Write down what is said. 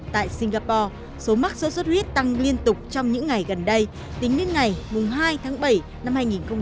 tại singapore số mắc sốt xuất huyết tăng liên tục trong những ngày gần đây tính đến ngày hai tháng bảy năm hai nghìn một mươi chín